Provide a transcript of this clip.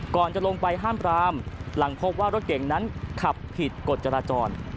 ก่อนจะลงไปห้ามปรามหลังพบว่ารถเก่งนั้นขับผิดกฎจราจร